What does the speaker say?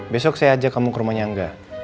besok saya ajak kamu ke rumahnya angga